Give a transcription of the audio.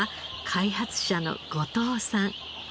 開発者の後藤さん。